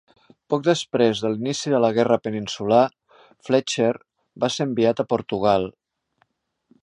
Poc després de l"inici de la Guerra Peninsular, Fletcher va ser enviat a Portugal.